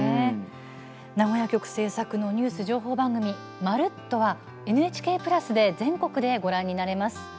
名古屋局制作のニュース情報番組「まるっと！」はＮＨＫプラスで全国でご覧になれます。